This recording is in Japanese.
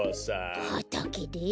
はたけで？